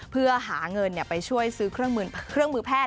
เพื่อหาเงินไปช่วยซื้อเครื่องมือแพทย์